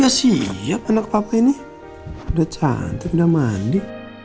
udah siap anak papa ini udah cantik udah mandi